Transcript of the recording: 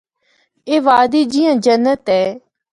اے وادی جیّاں جنت اے۔